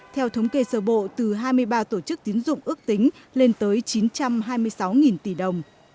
theo thống kê sở bộ từ hai mươi ba tổ chức tiến dụng ước tính lên tới chín trăm hai mươi sáu tỷ đồng